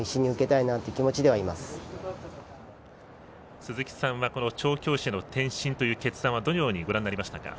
鈴木さんは調教師の転身という決断はどのようにご覧になりましたか。